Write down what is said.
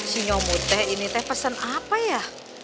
si nyomud teh ini teh pesen apa ya